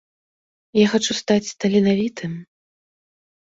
Я хачу стаць таленавітым!